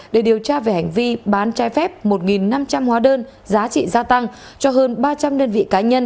để điều tra về hành vi bán trái phép một năm trăm linh hóa đơn giá trị gia tăng cho hơn ba trăm linh đơn vị cá nhân